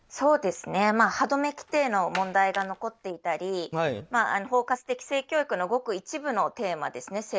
はどめ規定の問題が残っていたり包括的性教育の一部のテーマですね。